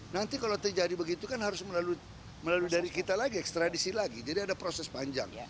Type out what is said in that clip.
nanti kalau terjadi begitu kan harus melalui dari kita lagi ekstradisi lagi jadi ada proses panjang